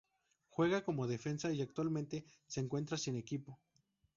Juega como defensa y actualmente se encuentra sin equipo.